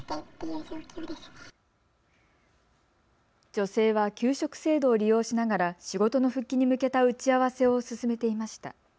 女性は休職制度を利用しながら仕事の復帰に向けた打ち合わせを進めていました。